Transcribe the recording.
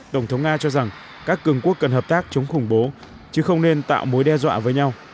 tổng thống nga cho rằng các cường quốc cần hợp tác chống khủng bố chứ không nên tạo mối đe dọa với nhau